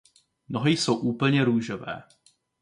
Nohy jsou úplně růžové.